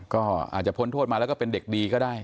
ก็อาจจะพ้นโทษมาแล้วก็เป็นเด็กดีก็ได้